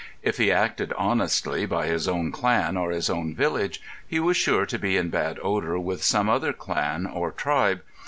If he acted honestly by his own clan, or his own village, he was sure to be in bad odour with some other clan or tribe.